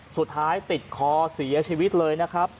สุดท้ายติดคอเสียชีวิตเลย